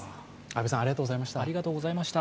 安部さん、ありがとうございます